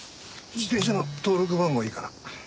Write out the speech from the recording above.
自転車の登録番号いいかな？